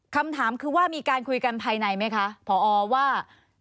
คำถามคือว่ามีการคุยกันภายในไหมคะพอว่า